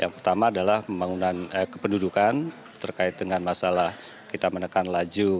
yang pertama adalah pembangunan kependudukan terkait dengan masalah kita menekan laju